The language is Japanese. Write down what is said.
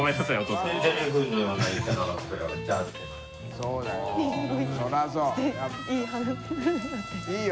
そうだよ